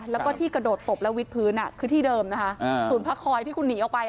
แล้วก็ที่กระโดดตบแล้ววิดพื้นคือที่เดิมนะคะศูนย์พักคอยที่คุณหนีออกไป